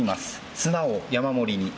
砂を山盛りに。